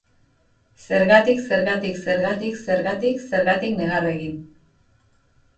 Zergatik, zergatik, zergatik, zergatik, zergatik negar egin?